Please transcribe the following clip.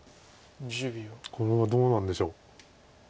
これはどうなんでしょう。